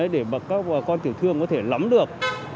để các bà con tiểu thương có thể lắm được